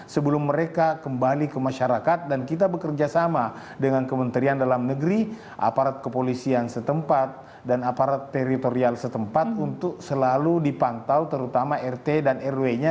sebelum mereka kembali ke masyarakat dan kita bekerja sama dengan kementerian dalam negeri aparat kepolisian setempat dan aparat teritorial setempat untuk selalu dipantau terutama rt dan rw nya